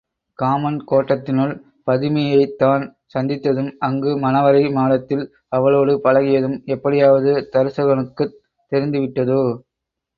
Common கோட்டத்தினுள் பதுமையைத் தான் சந்தித்ததும் அங்கு மணவறை மாடத்தில் அவளோடு பழகியதும் எப்படியாவது தருசகனுக்குத் தெரிந்து விட்டதோ?